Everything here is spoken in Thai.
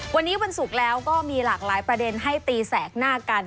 วันนี้วันศุกร์แล้วก็มีหลากหลายประเด็นให้ตีแสกหน้ากัน